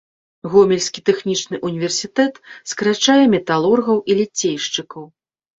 Гомельскі тэхнічны ўніверсітэт скарачае металургаў і ліцейшчыкаў.